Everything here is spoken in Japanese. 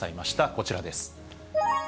こちらです。